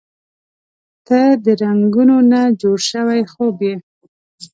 • ته د رنګونو نه جوړ شوی خوب یې.